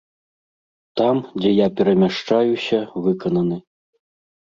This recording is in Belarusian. Там, дзе я перамяшчаюся, выкананы.